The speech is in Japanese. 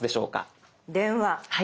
電話。